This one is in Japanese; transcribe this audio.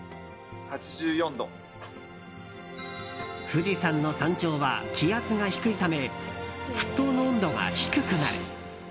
富士山の山頂は気圧が低いため沸騰の温度が低くなる。